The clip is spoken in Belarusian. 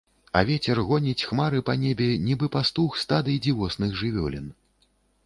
А вецер гоніць хмары па небе, нібы пастух стады дзівосных жывёлін.